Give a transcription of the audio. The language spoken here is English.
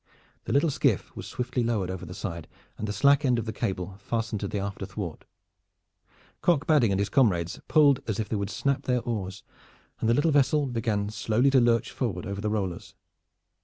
The little skiff was swiftly lowered over the side and the slack end of the cable fastened to the after thwart. Cock Badding and his comrades pulled as if they would snap their oars, and the little vessel began slowly to lurch forward over the rollers.